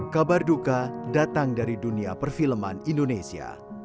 kabar duka datang dari dunia perfilman indonesia